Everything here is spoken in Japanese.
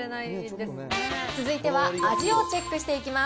続いては味をチェックしていきます。